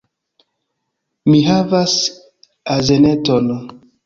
Mi havas azeneton